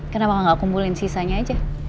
kenapa gak kumpulin sisanya aja